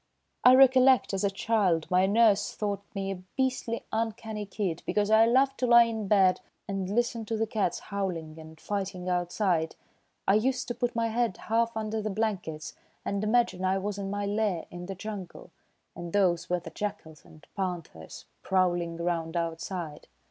I recollect, as a child, my nurse thought me a beastly uncanny kid because I loved to lie in bed and listen to the cats howling and fighting outside. I used to put my head half under the blankets and imagine I was in my lair in the jungle, and those were the jackals and panthers prowling around outside."